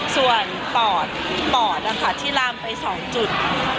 ส่วนปอดปอดนะคะที่ลามไป๒จุด